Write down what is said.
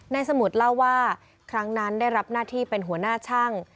สมุทรเล่าว่าครั้งนั้นได้รับหน้าที่เป็นหัวหน้าช่าง